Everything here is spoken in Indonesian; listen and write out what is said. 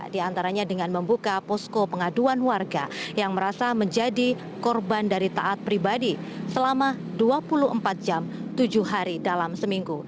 di antaranya dengan membuka posko pengaduan warga yang merasa menjadi korban dari taat pribadi selama dua puluh empat jam tujuh hari dalam seminggu